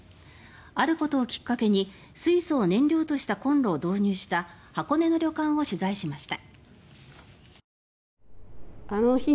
あることをきっかけに水素を燃料としたコンロを導入した箱根の旅館を取材しました。